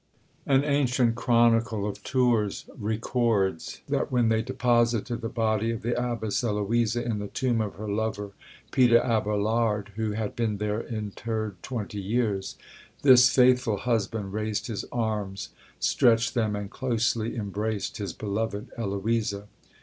An ancient chronicle of Tours records, that when they deposited the body of the Abbess Eloisa in the tomb of her lover, Peter Abelard, who had been there interred twenty years, this faithful husband raised his arms, stretched them, and closely embraced his beloved Eloisa.